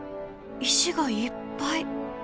石がいっぱい。